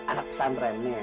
anak pesan remnya